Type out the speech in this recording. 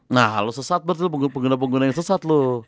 nah lu sesat berarti pengguna pengguna yang sesat lu